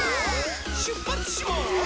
しゅっぱつします！